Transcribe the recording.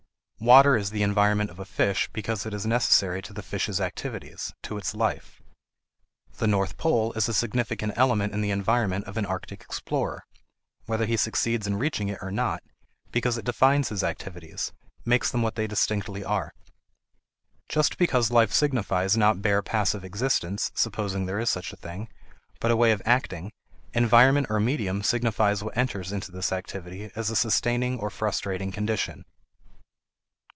Water is the environment of a fish because it is necessary to the fish's activities to its life. The north pole is a significant element in the environment of an arctic explorer, whether he succeeds in reaching it or not, because it defines his activities, makes them what they distinctively are. Just because life signifies not bare passive existence (supposing there is such a thing), but a way of acting, environment or medium signifies what enters into this activity as a sustaining or frustrating condition.